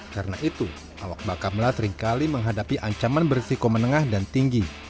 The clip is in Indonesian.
karena itu awak bakamla seringkali menghadapi ancaman bersih koma tengah dan tinggi